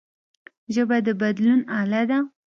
ژبه د بدلون اله ده